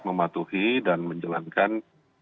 mematuhi dan menjalankan